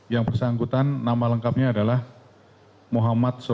yang bersangkutan nama lengkapnya adalah muhammad sofian sauri